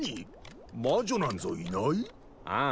魔女なんぞいない？ああ。